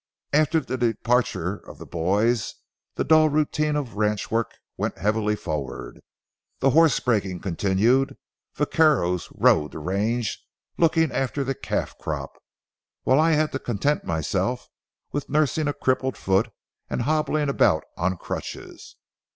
After the departure of the boys the dull routine of ranch work went heavily forward. The horse breaking continued, vaqueros rode the range looking after the calf crop, while I had to content myself with nursing a crippled foot and hobbling about on crutches.